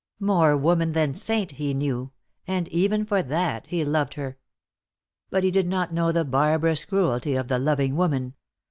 More woman than saint, he knew, and even for that he loved her. But he did not know the barbarous cruelty of the loving woman.